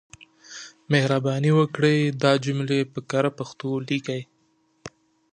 مهرباني وکړئ دا جملې په کره پښتو ليکئ.